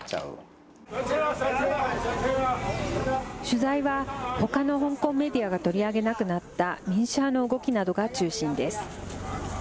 取材はほかの香港メディアが取り上げなくなった民主派の動きなどが中心です。